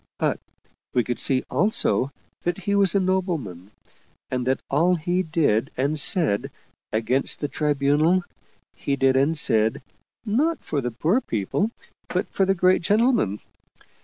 But we could see also that he was a nobleman, and that all that he did and said against the Tribunal, he did and said not for the poor people but for the great gentlemen.